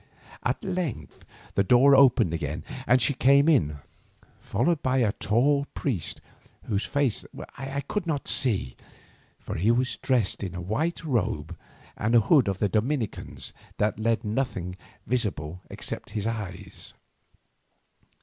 At length the door opened again, and she came in, followed by a tall priest whose face I could not see, for he was dressed in the white robe and hood of the Dominicans that left nothing visible except his eyes.